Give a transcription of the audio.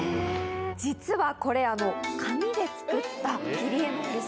実はこれ紙で作った切り絵なんです。